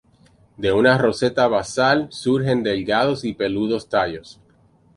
De una roseta basal surgen delgados y peludos tallos.